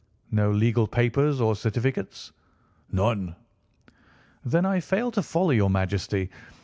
"No legal papers or certificates?" "None." "Then I fail to follow your Majesty.